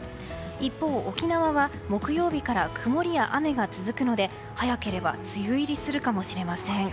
一方、沖縄は木曜日から曇りや雨が続くので早ければ梅雨入りするかもしれません。